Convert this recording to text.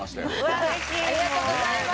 ありがとうございます。